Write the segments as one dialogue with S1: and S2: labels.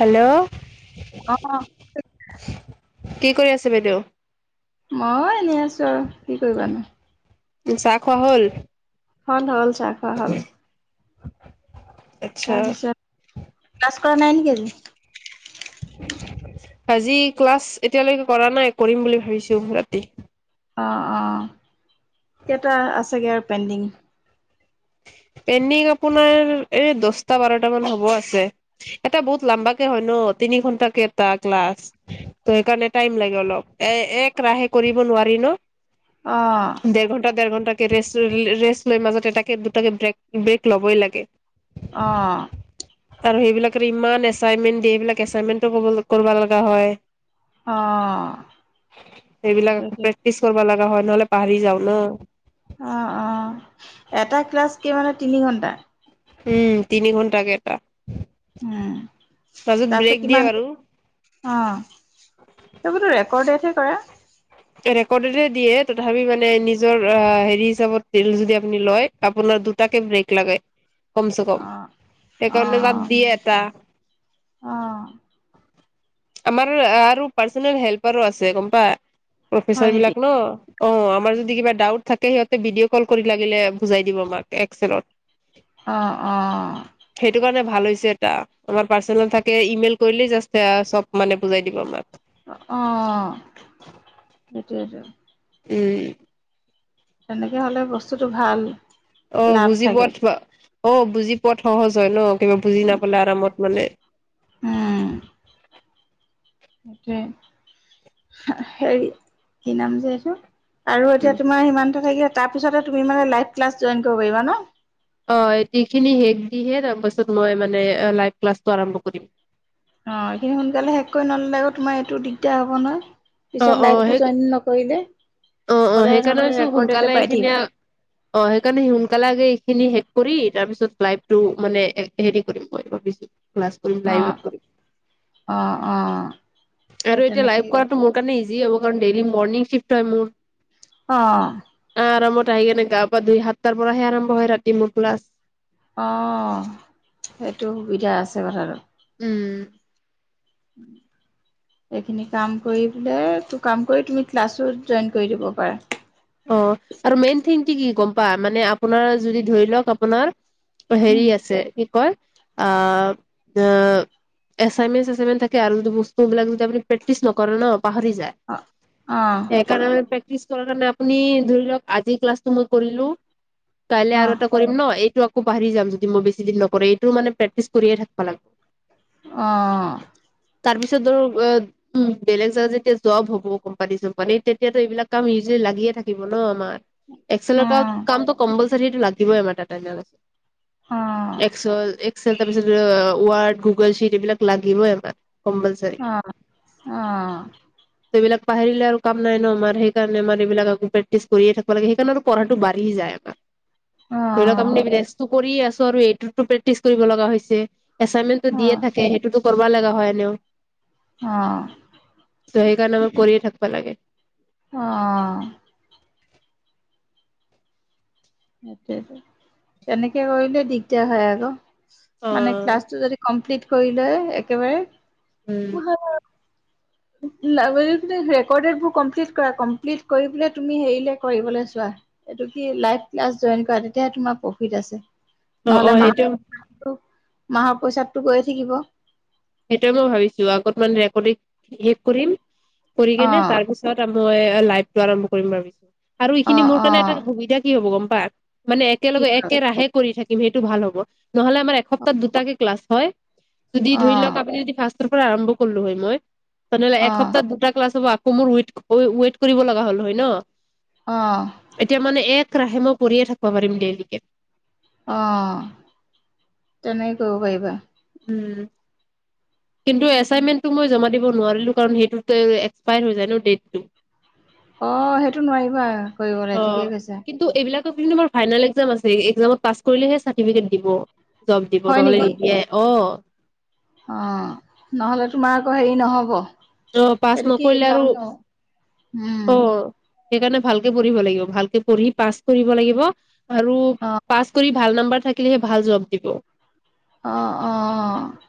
S1: Hello
S2: অ
S1: কি কৰি আছে বাইদেউ
S2: মই এনেই আছো কি কৰিবাানো?
S1: চাহ খোৱা হ'ল?
S2: হয় ন চফাহাল
S1: আচ্ছা।
S2: তাৰপিছত নাই নেকিজ
S1: আজি ক্লাছ এতিয়ালৈকে কৰা নাই কৰিম বুলি ভাবিছো ৰাতি
S2: অ অ কেইটা আছেগৈ আৰু পেণ্ডিং
S1: পেই আপোনাৰ এই দছটা বাৰট মান হ'ব আছে এটা বহুত লম্বাকে হয় ন তিনি ঘন্টে এটা ক্লাছ ত সেইকাৰণেট ল অলপ এক ৰাহে কৰিব নোৱাৰি ন
S2: অ
S1: দেৰ ঘণ্টা দেৰ ঘণ্টা ৰেষ্ট ৰেষ্ট লৈ মাজত এটা দুটাকে ব্ৰেক ব্ৰেক ল'বই লাগে ।
S2: অ
S1: আৰু সেইবিলাকে ইমান এচাইনমেন্ট দিয়ে সেইবিলাক এচাইনমেন্টো কৰিব লগা হয়
S2: অ
S1: সেইবিলাকৌ
S2: সেইটোৱে
S1: প্ৰেক্টিচ কৰিব লগা হয় নহ'লে পাহৰি যাওঁ ন
S2: অ অ এটা ক্লাছ কি মানে তিনি ঘন্টা
S1: উম তিনি ঘণ্টাাকেই এটা
S2: উম
S1: তছত
S2: তাৰপিছত
S1: ব্ৰেক দিয়ে
S2: কিমান
S1: বাৰু
S2: অ সেইবোৰতো ৰেকৰ্ডেটহে কৰে ।
S1: [unintelligible] কমছে কম সেইকাৰণে
S2: অ অ
S1: তাত দিয়ে এটা [inaudible]
S2: অ
S1: আমাৰ আৰু পাৰ্চ হেল্পাৰো আছে গম পা ।
S2: হয়
S1: প্ৰফেচাৰ
S2: নেকি
S1: বিলাক ন অ আমাৰ যদি কিবা ডাউত থাকে সিহঁতে ভিডিঅ' কল কৰি লাগিলে বুজাই দিব আমাক এক্সেলত
S2: অঁ অঁ
S1: সেইটো কাৰণে ভাল হৈছে এটা আমাৰ পাৰ্চনেল থাকে ইমেইল কৰিলেই জাষ্ট চব মানে বুজাই দিব আমাক।
S2: অ সেইটোয়েটো
S1: উম
S2: তেনেকে হলে বস্তুটো ভাল
S1: অ
S2: লাভ
S1: বুজি পোৱো
S2: থাকে
S1: থোৱা অ বুজি পোৱাত সহজ হয় ন বুজি নাপালে আৰামত মানে
S2: উম সেইটোৱে হেৰি কি নাম যে এইটো আৰু
S1: উম
S2: এতিয়া তোমাৰ সিমান টো থাকি আ তাৰ পিছতে তুমি মানে লাইভ ক্লাছ জইন কৰিব পাৰিবা ন
S1: অটিখিনি শেষ দিহে তাৰপাছত মই মানে লাইভ ক্লাছটো আৰম্ভ কৰিম
S2: অ এইখিনি সোনকালে শেষ কৰি নললে কত তোমাৰ এইটো দিগদাৰ হ'ব নয়
S1: অ
S2: পিছত
S1: অ
S2: লাইভটো
S1: সেই
S2: জইন নকৰিলে
S1: অ অ
S2: সদায় নহ'লে
S1: সেইকাৰণে চো
S2: ৰেকৰ্ডতে
S1: সোনকালে
S2: পাই থাকিবা।
S1: এইখিনিয়ে অ সেইকাৰণে সোনকালে আগে খিনি শেষ কৰি তাৰ পিছত লাইভটো মানে হেৰি কৰিম মই
S2: অ
S1: ভাবিছো
S2: অ অ সেই
S1: আৰু এতিয়া লাইভ
S2: তেনেকেই
S1: কৰাটো মোৰ কাৰণে ইজ- যি হ'ব কাৰণ ডেইল মনিং শ্বিফ্ট হয় মোৰ
S2: অ
S1: আহ আহি কেনে গা পৰা দুই সাতটাৰ পৰাহে আৰম্ভ হয় ৰাতি মোৰ ক্লাছ
S2: অ সেইটো সুবিধা আছে কথাটোত
S1: উম
S2: এইখিনি কাম কৰি পেলে ত কাম কৰি তুমি ক্লাছো জইন কৰি দিব পাৰা
S1: অ আৰু মেইন থিংটো কি কি গম পা মানে আপোনাৰ যদি ধৰি লওক আপোনাৰ হেৰি
S2: উম
S1: আছে কি কয় আ অ এচাইমেট চচাইমেট থাকে আৰু যদি বস্তু বিলাক যদি আপুনি প্ৰেক্টিচ নকৰে ন পাহৰি যায়
S2: অ অ
S1: সেই কাৰনে পেক্টিচ- [unintelligible] আপুনি ধৰি লওক আজিৰ ক্লাছটো মই কৰিলো কাইলে
S2: অ
S1: আৰু এটা কৰিম নে এইটো আক- আকৌ পাহি যাম যদি মই বেছি দিন নকৰে এইটো মানে প্ৰেক্টিচ কৰিয়ে থাকব লাগব।
S2: অহ
S1: তাৰ পিছত ধৰক এ বেলেগ জাগা যেতিয়া ভব হ'ব কোম্পানী চোম্পানী তেতিয়াাতো এইবিলাক কাম ইউজিলি লাগিয়ে থাক থাকিব ন আমাৰ।
S2: অ
S1: এক্সেলটত কাম কম্পলচ- সেইটো লাগিবই আমাৰ তাত তাৰ নিচিনা ওলাইছে
S2: অ অ
S1: এক্সল এক্সেল তাৰ পিছতে অঅ ৱাৰ্ড, গুগল শ্বিট এইবিলাক লাগিবই আমাৰ কম্পলচাৰি
S2: সেইটোৱেটো
S1: এইবিলাক পাহৰিলে আৰু কাম নাই ন আমাৰ সেইকাৰণে আমাৰ এইবিলাক আকৌ প্ৰেক্টি কৰিে থাকব লাগে সেইকাৰণে পঢ়াটো যায় আমাৰ। ধৰি লওক আপুনি ৰেস্তো কৰিয়ে আছো। এইটোতো প্ৰেক্টিচ কৰিব লগা হৈছে। এচাইনমেটটো দিয় থাকে সেইটোতো কৰিব লগা হয় এনেও
S2: আহ
S1: ত সেইকাৰণে আমাৰ কৰিয়ে থাকিবা লাগে
S2: অ সেইটোৱে ত তেনেকে কৰিলে দিগদাৰ হয়
S1: অ
S2: আক মে ক্লাছটো যদি কমপ্লিট কৰিলয় একেবাৰে
S1: উম
S2: লাগিলে তুমি ৰেকৰ্ডেত বোৰ কম্পিলিত কৰা, কম্পিলিত কৰি পিনে তুমি সেইলে কৰিবলৈ চোৱা, এইটো কি লাইভ ক্লাছ জয়ন কৰা তেতিয়া হে তোমাৰ প্ৰফিড আছে ।
S1: অ অ
S2: নহলে
S1: সেইটো
S2: মাহটো মাহৰ পইচাতটো গৈয়ে থাকিব।
S1: সেইটোৱে মই ভাবিছো আগত মান ৰেকৰ্ডিং শেষ কৰিম। কৰি
S2: অ
S1: কেনে তাৰ পিছত আমা মই লাইভ টো আৰম্ভ কৰিম ভাবিছোঁ। আৰু
S2: অ
S1: এইখিনি মোৰ
S2: অ
S1: কাৰণে এটা সুবিধা কি হ'ব গম। পাত মানে
S2: কি
S1: একেলগে একেৰাহে কৰি থাকে। সেইটো ভাল হ'ব নহ'লে আমাৰ এসপ্তাহত দুটাকে ক্লাছ হয়। যদি
S2: অ
S1: ধৰি লক? শাস্ত্ৰৰ পৰা আৰম্ভ কৰলো হয় মই। তেনেহলে
S2: অ
S1: একসপ্তাহ দুটা ক্লছ হব। মোৰ ৱেইট, ৱেইট কৰিব লগা হ'ল হয় ন?
S2: অ
S1: এতিয়া মানে এক একেৰাহে মই কৰিয়ে থাকিব পাৰিম দেল্লিকে
S2: অ তেনে কৰিব পাৰিবা।
S1: উম কিন্তু এচাইটমেন্ত টো মই জমা। দিব নোৱাৰিলোঁ কাৰণ সেইটোত এস্পেয়াৰ হৈ যায় ন দেতটো।
S2: অ সেইটো নোৱাৰিবা। কৰিবলৈ
S1: অ
S2: ঠিকে কৈছা
S1: কিন্তু এইবিলাক কিন্তু আমাৰ ফাইনেল একজাম আছে। একজামত পাছ কৰিলেহে চাৰ্টিফিকেট দিব। জব দিব
S2: হয়
S1: নহ'লে
S2: নেকি?
S1: নিদিয়ে অ।
S2: অ নহ'লে তোমাৰ আকৌ হেৰি নহ'ব।
S1: অহ পাছ
S2: এইটো কি
S1: নকৰিলে
S2: লাভ
S1: আৰু
S2: নহ'ব উম।
S1: অহ সেইকাৰণে ভালকে পঢ়িব লাগিব ভালকে পঢ়ি পাছ কৰিব লাগিব। আৰু
S2: অ'
S1: পাছ কৰিব ভাল নম্বৰ থাকিলেহে ভাল জব দিব।
S2: অ', অ',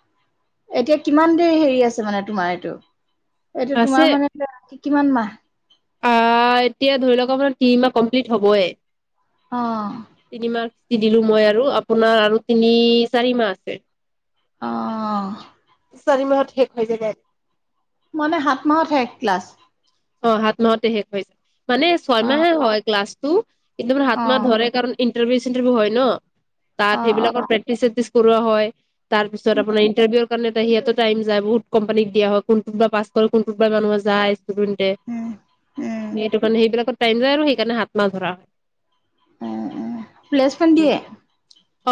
S2: এতিয়া কিমান দেৰি হেৰি আছে মানে তোমাৰ এইটো এইটো
S1: আছে
S2: তোমাৰ মানে এতিয়া কিমান মাহ।
S1: আহ এতিয়া ধৰি লওক আপোনাৰ তিনি মাহ কমপ্লিট হ'বই।
S2: আহ।
S1: দিলো মই আৰু আপোনাৰ আৰু তিনি চাৰি মাহ আছে।
S2: অহ।
S1: চাৰি মাহত শেষ হৈ যাব।
S2: মানে সাত মাহত শেষ ক্লাছ।
S1: অ হাত মাহতে শেষ হৈ যায়। মানে ছয়
S2: অ'
S1: মাহে হয় ক্লাছ। টো। কিন্তু মানে সাত মাহ
S2: অ'
S1: ধৰে কাৰণ ইন [unintelligible] তাত
S2: অ'
S1: সেইবিলাকৰ
S2: অ'
S1: প্ৰেক্টিচ সেক্টিচ। কৰোৱা হয়। তাৰ পিছত আপোনাৰ ইটাৰভিউৰ কাৰণে তে সিহঁতৰ টাইম যায় বহুত কোম্পানীক দিয়া হয় কোনটোত বা পাছ ক'ৰ কোনটোত বা মানুহ যায়। হে
S2: উম উম।
S1: সেইটো কাৰণে সেইবিলাকত টাইম যায়। আৰু সেইকাৰণে হাত মাহ ধৰা হ‌য়।
S2: এহ', এহ', প্লেচমেণ্ট দিয়ে।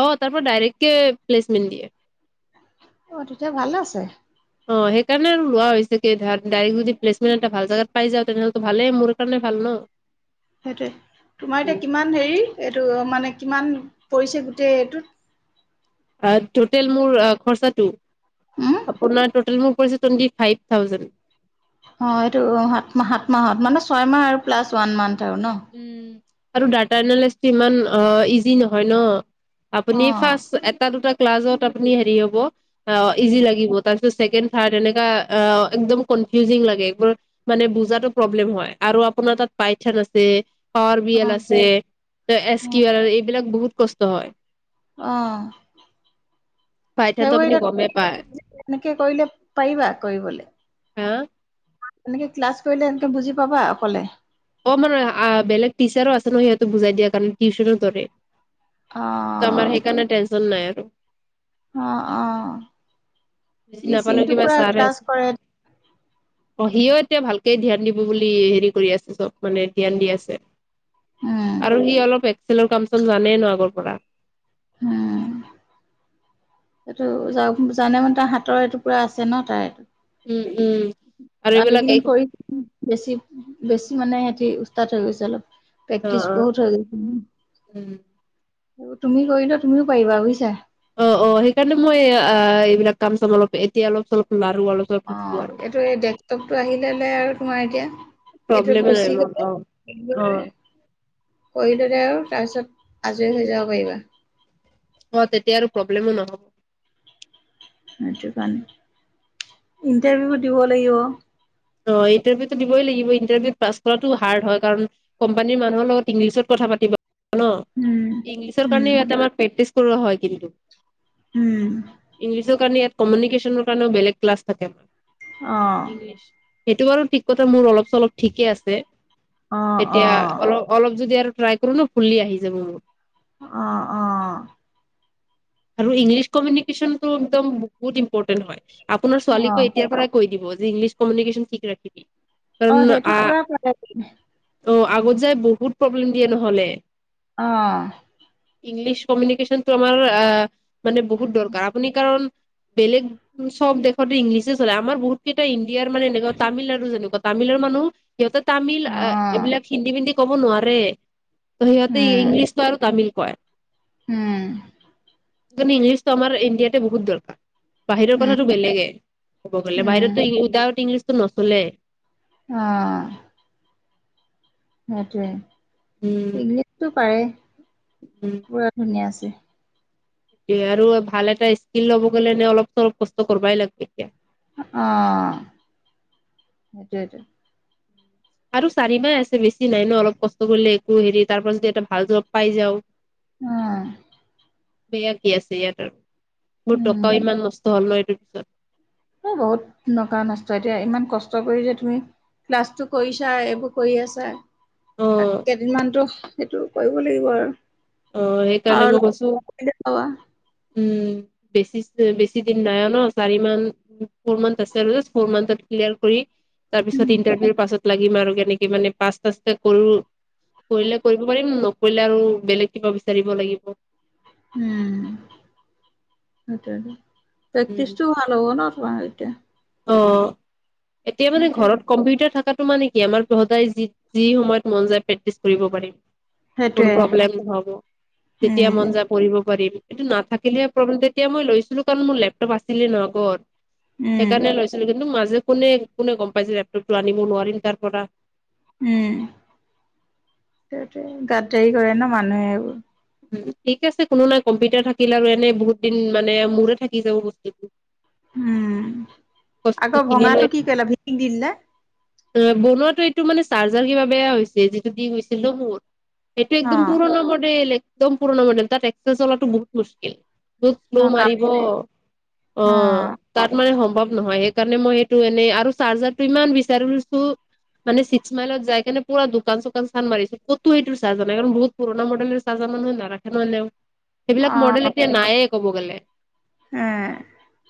S1: অ', তাৰ পৰা ডাইৰেক্টকে প্লেচমেণ্ট দিয়ে।
S2: অ', তেতিয়া ভালে আছে।
S1: অ সেইকাৰণে আৰু লোৱা হৈছে কে ধাৰ ডাইৰেক্ট যদি প্লেচমেণ্ট এটা ভাল জাগাত পাই যাওঁ তেনেহ'লেটো ভালে মোৰ কাৰণে ভাল ন।
S2: সেইটোৱে, তোমাৰ এতিয়া কিমান হেৰি এইটো মানে কিমান পৰিছে গোটেই এইটোত।
S1: অ তোটেল মোৰ খৰচাটো।
S2: উম
S1: আপোনাৰ টোটেল মো কৈছে তনকি ফাইপ থাওজেন
S2: অ এইটো সাতাহ সাত মাহত মানে ছয় মাহ আৰু প্লাছ ওৱান মান্
S1: উম আৰু ডাটা এনালিচি ইমান ইজি নহয় ন।
S2: অ
S1: আপুনি ফাৰ্ষ্ট এটা দুটা ক্লাছত আপুনি হেৰি হ'ব ইজি লাগিব তাৰপিছত ছেকেড থাৰ্ড এনেকা একদম কনিফিওজিঙ লাগে এইবোৰ মানে বুজাতো প্ৰব্লেম হয় আৰু আপোনাৰ তাত পাইথান আছে। যে আৰ বি এল
S2: অ
S1: আছে এছ কিও আৰ আৰ এই এই বিলাক বহুত কষ্ট হয়।
S2: অ
S1: পাইথনটো
S2: সেইবোৰ
S1: আপুনি গমেই পায়
S2: যেনেকে কৰিলে পাৰিবা কৰিবলে।
S1: হা
S2: এনেকে ক্লাছ কৰিলে এনেকে বুজি পাবা অকলে।
S1: অ মানে বেলেগ টিচাৰো আছে ন সিহঁতো বুজাই দিয়া কাৰণে টিউচনৰ দৰে
S2: অ
S1: ত আমাৰ সেইকাৰনে টেন্চন নাই ।
S2: অ অ
S1: বুজি
S2: এই
S1: নাপালো
S2: চিনটো
S1: কিবা
S2: পুৰা
S1: ছাৰে
S2: ক্লাছ
S1: আছে
S2: কৰে।
S1: অ সিও এতিয়া ভালকে ধ্যান দিব বুলি হেৰি কৰি আছে চব। মানে ধ্যান দি আছে
S2: উম
S1: আৰু সি অলপ এক্সেলৰ কাম চোন জানে ন আগৰ পৰা।
S2: উ এইটো য জানে মানে তাৰ হাতৰ এইটো পুৰা আছে ন তাৰ এইটো
S1: উম উম আৰু এইবিলাক এই
S2: আগকেইদিন কৰি বেছি বেছি মানে বেছি উস্তাত হৈ গৈছে অলপ।
S1: অ
S2: প্ৰেক্টিচ
S1: অ
S2: বহুত হৈ
S1: উম
S2: তুমি কৰি লোৱা তুমিও পাৰিবা বুজিছা।
S1: অ অ সেইকাৰণে মই এইবিলাক কাম চাম অলপ এতিয়া অলপ চলপ অলপ চলপ
S2: অ
S1: শিকো আৰু
S2: এইটো এই ডেস্কটপটো আহিলে ললে আৰু তোমাৰ এতিয়া এইটোত
S1: প্ৰব্লেমে নাই
S2: গুচি
S1: মোৰ
S2: গলে
S1: অ অ
S2: সেইবোৰ কৰি ললে আৰু তাৰপিছত আজৰি হৈ যাব পাৰিবা
S1: অ তেতিয়া আৰু প্ৰব্লেমো নহব
S2: সেইটো কাৰণে ইণ্টাৰভিউ দিব লাগিব।
S1: অ ইণ্টাৰভিউতটো দিবই লাগিব ইণ্টাৰভিউত পাছ কৰাতো হাৰ্ড হয় কাৰণ কোম্পানীৰ মানুহৰ লগত ইংলিছত কথা পাতিব। ন
S2: উম
S1: ইংলিছৰ কাৰণে
S2: উম
S1: ইয়াতে আমাৰ প্ৰেক্টিছ কৰোৱা হয় কিন্তু
S2: উম
S1: ইংলিছৰ কাৰণে এয়াত কমিউিকেশনৰ কাৰণেও বেগ কলাছ থাকে আমাৰ
S2: আহ
S1: ইংলিছ সেইটো বাৰু ঠিক কথা মোৰ অলপ চলপ ঠিকে আছে
S2: অ অ
S1: তেতিয়া অলপ অলপ যদি আৰু। ট্ৰাই কৰো ন ফুলি আহি যাব।
S2: অ অ।
S1: আৰু ইংলিছ কমিনিকেচনটো একদম বহুত ইম্পৰ্টেন হয়। আপোনাৰ
S2: অ
S1: ছোৱালীকো এতিয়াৰ পৰাই কৈ দিব। যে ইংলিছ কমিউনিকেশ্বন ঠিক ৰাখিবি।
S2: অ
S1: কাৰণ
S2: সেইটো
S1: আ
S2: পোৱা মানে দিল।
S1: অ আগত যাই বহুত প্ৰব্লেম দিয়ে নহলে।
S2: অ।
S1: ইংলিছ কমিউনিকেশ্বন তো আমাৰ এহে। মানে বহুত দৰকাৰ আপুনি কাৰণ। বেলেগ চব দেশতে ইংলিছে চলে আমাৰ বহুত কেইটা ইণ্ডিয়াৰ মানে এনেকুৱা তামিলনাড়ু যেনেকুৱা তামিলৰ মানুহ। সিহঁতৰ তামিল
S2: অ
S1: এইবিলাক হিন্দী মিন্দি। ক'ব নোৱাৰে। ত সিহঁতে
S2: উম
S1: ইংলিছটো আৰু তামিল। কয়।
S2: উম।
S1: ইংলিছ তো আাৰ ইণ্ডিয়াতে বহুত দৰকাৰ। বাহিৰৰ
S2: উম,
S1: কথাটো বেলেগে ক'ব গলে
S2: উম,
S1: বাহিৰতো উদাউট ইংলিছ। নচলে।
S2: অহ। সেইটোৱে।
S1: উম
S2: ইংলিছটো পাৰে। পুৰা ধুনীয়া আছে। ছে।
S1: এ আৰু ভাল এটা স্কিল ল'ব গ'লে এ অলপ চলপ কষ্ট কৰিবাই লাগব এতিয়া।
S2: অ সেইটোটো।
S1: আৰু চাৰিমাহ আছে বেছি নাই ন অলপ কষ্ট কৰিলে একো হেৰি তাৰ পৰা যদি এটা ভাল জব পাই যাওঁ।
S2: অহ।
S1: ভেয়া কি আছে ইয়াৰ। মোৰ
S2: উম,
S1: টকাও ইমান নষ্ট হ'ল ন এইটো। আছে।
S2: এ বহুত নকা নষ্ট এতিয়া ইমান কষ্ট কৰি যে তুমি ক্লাছটো কৰিছা এইবোৰ কৰি আছা।
S1: অ
S2: তাত কেইদিনমানতো। সেইটো কৰিব লাগিব আৰু।
S1: অ
S2: আৰু
S1: সেইকাৰণে মই
S2: অলপ
S1: কৈছোঁ।
S2: কৰিলে পাবা,
S1: উম বেছি বেছি দিন নাই ন চাৰি মান ফৰ মানট আছো ফৰ মানট ক্লাৰ কৰি তাৰ পিছত
S2: উম,
S1: ইন্টাৰভিউৰ পাছত লিম আৰু কেনেকে মানে পাচো কৰিলে কৰিব পাৰিম নকৰিলে আৰু বেলেগ। কিবা বিচাৰিব লাগিব।
S2: উম সেইটোৱেটো।
S1: উম
S2: প্ৰেক্টিচটো ভাল হ'ব ন তোমাৰ এতিয়া,
S1: অ এতিয়া মানে
S2: সেইটোৱে,
S1: ঘৰত কম্পিউটাৰ থাকাত মানে কি আমাৰ পঢ়োতাই যি যি সময়ত মন যায় প্ৰেক্টিছ কৰিব পাৰিম।
S2: সেইটোৱে,
S1: কোনো প্ৰব্লেম নহব যেতিয়া
S2: উম,
S1: মন যায় পঢ়িব পাৰিম। এইটো নাথাকিলে প্ৰব্লদেত এতিয়া মই লৈছিলো কাৰণ মোৰ লেপটপ আছিলে ন আগত।
S2: উম,
S1: সেইকাৰণে লৈছিলো কিন্তু মাজে কোনে কোনে গম পাইছে লেপটপটো আনিব নোৱাৰিম তাৰ পৰা
S2: উম তে সেইটোৱে গাতদাৰি কৰে ন মানুহে এইবোৰ।
S1: ঠিক আছে কোনো নাই, কম্পিউটাৰ থাকিলে আৰু এনে বহুত দিন মানে মোৰে থাকি যাব বস্তুটো।
S2: উম।
S1: বস্তুটো
S2: আকৌ ভঙাটো কি কৰিলা ভিটিং দিলা।
S1: অ বনোৱাটো এইটো মানে চাৰ্জাৰ কিব বেয়া হৈছে যিটো দি গৈছিল ন মোৰ। এইটো
S2: অ
S1: একদম পুৰণা মডেল। একদম পুৰণা মডেল তাত এক্সেছ চলাটো বহুত মুস্কিল। বহুত চ'লোহ
S2: অ কাম
S1: মাৰিব অ তাত মানে সম্প। সম্ভৱ নহয় সেই কাৰণে মই সেইটো এনে আৰু চাৰ্জাৰটো ইমান বিচাৰছো মানে ছিশ মাইল যাই কিনে পুৰা দোকান চোকান চান মাৰিছো ক'তো সেইটো চাৰ্জাৰ নাই বহুত পুৰণা মডেলে চাৰ্জ । কিছুমান মানুহে নাৰাখে নহ'লেও। সেইবিলাক
S2: অ
S1: মডেল এতিয়া নায়ে। ক'ব গ'লে।
S2: এ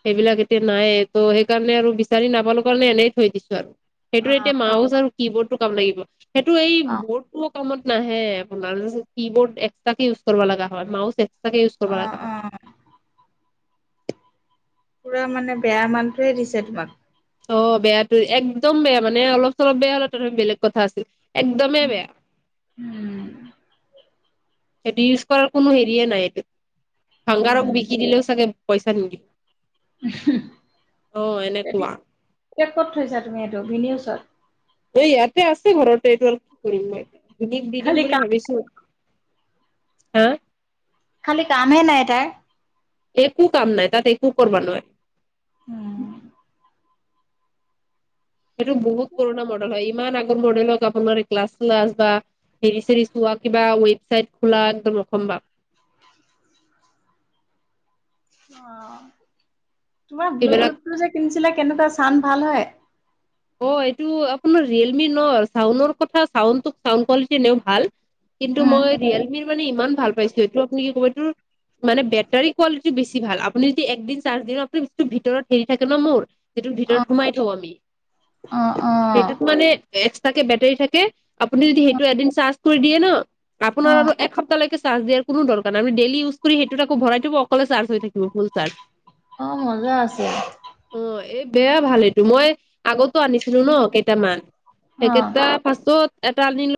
S1: সেইবিলাক এত তে নাইে ত' সেইকাৰণে আৰু বিচাৰি নাপালো কাৰণে এনেই থৈ দিছো আৰু। সেইটো
S2: অ
S1: এতিয়া মাও চাও। কি বৰ্ডটো কাম লাগিব। সেইটো এই
S2: অ
S1: ব'ৰ্ডটো অক কামত নাহে আপোনাৰ কি বৰ্ড এক্স তাকে ইউজ কৰিব লগা হয় মাওচ তাকে ইউজ
S2: অ
S1: কৰিব লগা হয়।
S2: অ পুৰা মানে বেয়া মানুটোয়ে দিছে তোমাক।
S1: অ বেয়াটো একদম বেয়া মানে অলপ চলপ বেয়া হল ত বেলেগ কথা আছিল। একদমেই বেয়া।
S2: উম
S1: সেইটো ইউজ কৰাৰ কোনো হেৰিয়ে নাই এইটো। ভংগাৰগ
S2: উম
S1: বিকি দিলও চাগে, পইচা নিদি আহ এনেকুৱা।
S2: ক'ত ক'ত থৈছা তুমি এইটো ভিনউচত।
S1: এই ইয়াতে আছে ঘৰতে এইটো আৰু কি কৰিম মই। ভিনিক দি দিম
S2: খালি
S1: বুলি
S2: কাম
S1: ভাবিছো। হা।
S2: খালি কাম হে নাই তাই।
S1: একো কাম নাই তাত একো কৰিব নালাগে।
S2: হম
S1: এইটো বহুত পুৰণা মডেল হয়। ইমান আগৰ মডেলত আপোনাৰ কাল্লছ চাল্লচ বা হেৰি চোৱা কিবা ৱেবচাইট খোলা একদম ৰকম বা
S2: অ তোমাৰ
S1: সেইবিলাক
S2: ব্লুটুথ টো যে কিনিছিলা? কেনেকুৱা চাউণ্ড ভাল হয়।
S1: অ এইটো আপোনাৰ ৰিয়েলমি ন চাউণ্ড কথা চাউণ্ড চাউণ্ড কোৱালিটি এনেও ভাল। কিন্তু
S2: উম
S1: মই ৰিয়েলমিৰ মানে ইমান ভাল পাইছো এইটো আপুনি ক'ৰবাত। মানে বেটাৰী কোৱালিটি বেছি ভাল আপুনি যদি একদিন চাৰ্জ দিন আপুনি ভিতৰত হেৰি থাকে ন মোৰ। সেইটো
S2: অ
S1: ভিতৰত সোমাই থওঁ আমি।
S2: অ অ।
S1: এক্সতাকে বেটাৰী থাকে। আপুনি যদি সেইটো এদিন চাৰ্চ । কৰি দিয়ে ন।
S2: অ
S1: আপোনাৰ আৰু এসপ্তাহ লৈকে। চাৰ্জ দিয়া কোনো দৰকাৰ নাই আমি ডেলি ইউজ কৰি সেইটোত আকৌ ভৰাই থব অকলে চাৰ্জ হৈ থাকিব ফুল চাৰ্জ।
S2: অ মজা আছে।
S1: অ এই বেয়া ভাল এইটো মই। আগতো আনিছিলো ন কেইটামান।
S2: অ
S1: সেইকেইটা পাছত। এটা দিন।